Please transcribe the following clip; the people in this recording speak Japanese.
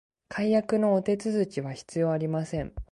解約のお手続きは必要ありません